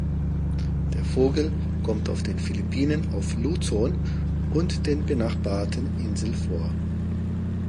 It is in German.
Der Vogel kommt auf den Philippinen auf Luzon und den benachbarten Inseln vor.